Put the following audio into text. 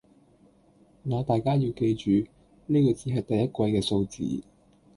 那大家要記住，呢個只係第一季嘅數字